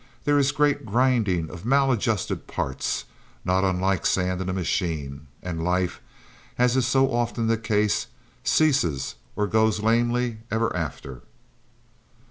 There is great grinding of maladjusted parts—not unlike sand in a machine—and life, as is so often the case, ceases or goes lamely ever after.